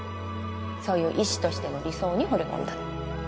そういう医師としての理想にほれ込んだの